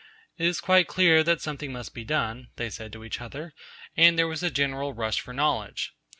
'It is quite clear that something must be done,' they said to each other, and there was a general rush for knowledge.